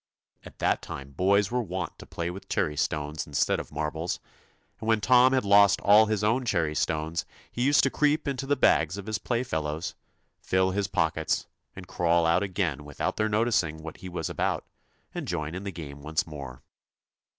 At that time boys were wont to play with cherry stones instead of marbles, and when Tom had lost all his own cherrystones, he used to creep into the bags of his playfellows, fill his pockets, and crawl out again without their noticing what he was about, and join in the game once more.